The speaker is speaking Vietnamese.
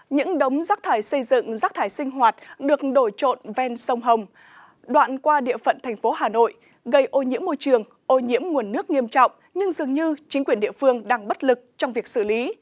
những đống rác thải xây dựng rác thải sinh hoạt được đổi trộn ven sông hồng đoạn qua địa phận thành phố hà nội gây ô nhiễm môi trường ô nhiễm nguồn nước nghiêm trọng nhưng dường như chính quyền địa phương đang bất lực trong việc xử lý